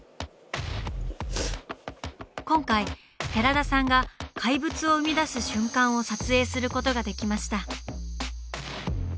今回寺田さんが怪物を生み出す瞬間を撮影することができました。